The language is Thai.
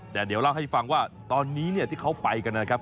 แต่เดี๋ยวเล่าให้ฟังว่าตอนนี้เนี่ยที่เขาไปกันนะครับ